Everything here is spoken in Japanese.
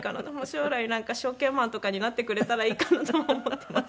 将来証券マンとかになってくれたらいいかなとも思っています。